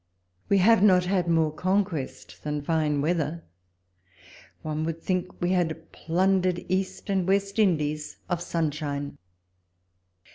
We have not had more con quest than fine weather : one would think we had plundered East and West Indies of sun shine.